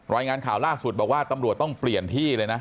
รายงานข่าวล่าสุดบอกว่าตำรวจต้องเปลี่ยนที่เลยนะ